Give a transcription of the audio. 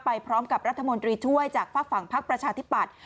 พร้อมกับรัฐมนตรีช่วยจากฝากฝั่งพักประชาธิปัตย